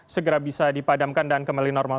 segera bisa dipadamkan dan kembali normal